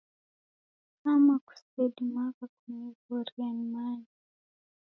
Kama kusedimagha kunighorie nimanye.